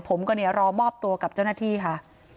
ผมก็เนี่ยรอมอบตัวกับเจ้าหน้าที่ค่ะ